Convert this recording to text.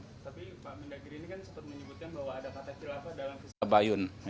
tapi pak minda girini kan sempat menyebutkan bahwa ada kata kata apa dalam kisah bayun